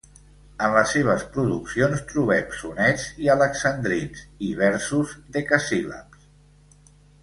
En les seves produccions trobem sonets i alexandrins, i versos decasíl·labs.